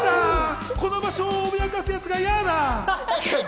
この座を脅かすやつが嫌だ。